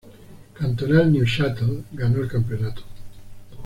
Cantonal Neuchâtel ganó el campeonato.